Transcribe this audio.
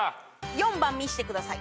４番見せてください。